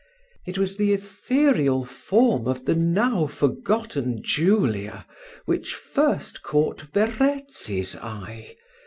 It was the ethereal form of the now forgotten Julia which first caught Verezzi's eye.